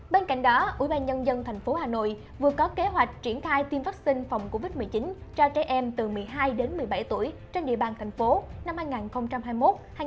bên cạnh đó ủy ban nhân dân thành phố hà nội vừa có kế hoạch triển khai tiêm vắc xin phòng covid một mươi chín cho trẻ em từ một mươi hai đến một mươi bảy tuổi trên địa bàn thành phố năm hai nghìn hai mươi một hai nghìn hai mươi hai